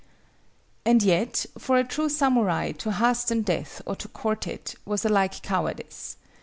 And yet, for a true samurai to hasten death or to court it, was alike cowardice.